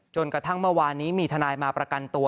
จนกระทั่งเมื่อวานนี้มีทนายมาประกันตัว